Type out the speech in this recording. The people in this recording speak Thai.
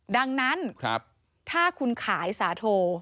ดังนั้นถ้าคุณขายสาโท